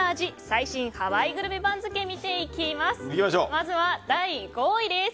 最新ハワイグルメ番付を見ていきます。